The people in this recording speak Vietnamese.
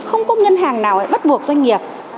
không có ngân hàng nào bắt buộc doanh nghiệp